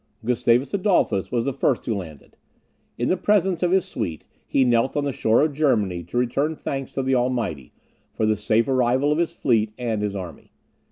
Gustavus Adolphus was the first who landed. In the presence of his suite, he knelt on the shore of Germany to return thanks to the Almighty for the safe arrival of his fleet and his army.